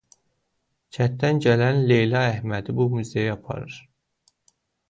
Kənddən gələn Leyla Əhmədi bu muzeyə aparır.